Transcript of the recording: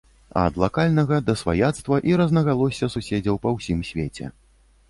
Ад лакальнага да сваяцтва і рознагалосся суседзяў па ўсім свеце.